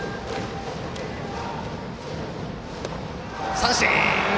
三振！